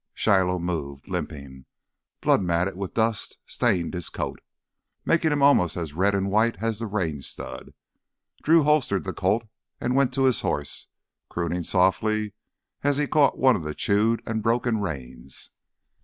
Shiloh moved, limping. Blood matted with dust stained his coat, making him almost as red and white as the Range stud. Drew holstered the Colt and went to his horse, crooning softly as he caught one of the chewed and broken reins.